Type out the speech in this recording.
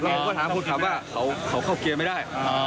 มันก็เลยทำให้ทุกอย่างใช้กันไม่ได้